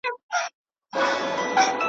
په لقمان اعتبار نسته په درمان اعتبار نسته ,